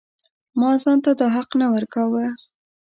ما ځان ته دا حق نه ورکاوه.